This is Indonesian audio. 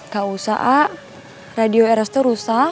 gak usah ah radio eros tuh rusak